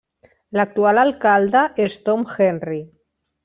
L'actual alcalde és Tom Henry.